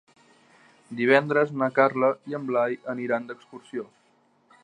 Divendres na Carla i en Blai aniran d'excursió.